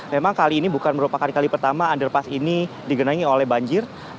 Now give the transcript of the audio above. memang kali ini bukan merupakan kali pertama underpass ini digenangi oleh banjir